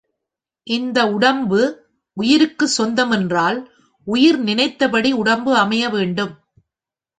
இந்த உடம்பு உயிருக்குச் சொந்தம் என்றால் உயிர் நினைத்தபடி உடம்பு அமைய வேண்டும்.